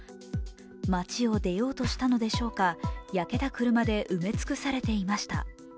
街を出ようとしたのでしょうか、焼けた車で埋め尽くされていました。